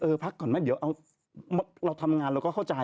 พักก่อนไหมเดี๋ยวเราทำงานเราก็เข้าใจ